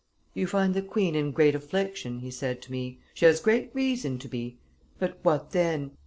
'You find the queen in great affliction,' he said to me: 'she has great reason to be. But what then!